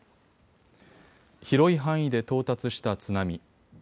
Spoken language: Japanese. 広い範囲で到達した津波。